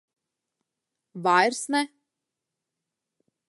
Vairs ne.